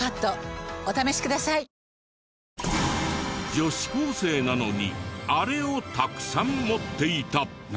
女子高生なのにあれをたくさん持っていた。